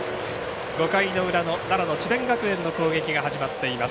５回の裏の奈良の智弁学園の攻撃が始まっています。